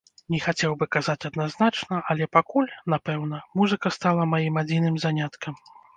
Не хацеў бы казаць адназначна, але пакуль, напэўна, музыка стала маім адзіным заняткам.